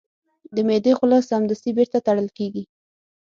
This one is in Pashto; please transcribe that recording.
د معدې خوله سمدستي بیرته تړل کېږي.